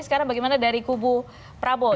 sekarang bagaimana dari kubu prabowo